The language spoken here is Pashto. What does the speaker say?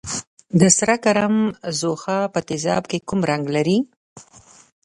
د سره کرم ځوښا په تیزاب کې کوم رنګ لري؟